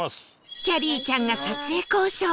きゃりーちゃんが撮影交渉